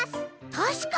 たしかに！